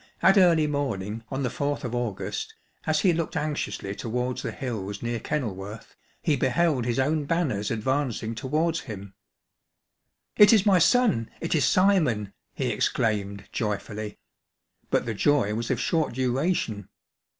Here, at early morning, on the 4th of August, as he looked anxiously towards the hills near Kenilworth, he beheld his own banners advancing towards him. '' It is my son ; it is Simon !*' he exclaimed, joyfully ; but the joy was of short duration.